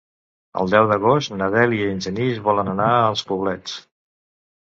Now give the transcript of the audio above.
El deu d'agost na Dèlia i en Genís volen anar als Poblets.